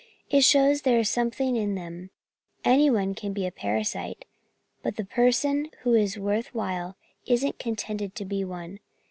It shows there is something in them. Anyone can be a parasite, but the person who is worth while isn't contented to be one.